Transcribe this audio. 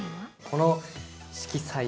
この色彩。